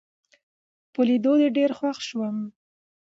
په لیدو دي ډېر خوښ شوم